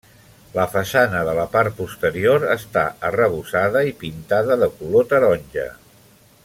La façana de la part posterior està arrebossada i pintada de color taronja.